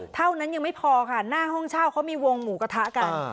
เท่านั้นยังไม่พอค่ะหน้าห้องเช่าเขามีวงหมูกระทะกัน